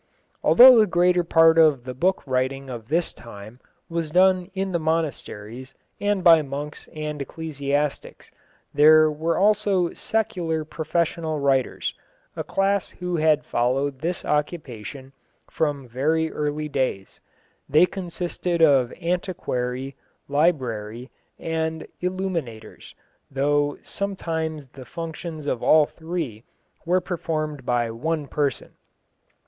Although the greater part of the book writing of this time was done in the monasteries and by monks and ecclesiastics, there were also secular professional writers, a class who had followed this occupation from very early days. They consisted of antiquarii, librarii, and illuminators, though sometimes the functions of all three were performed by one person.